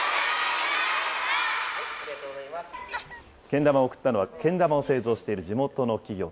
けん玉を贈ったのは、けん玉を製造している地元の企業。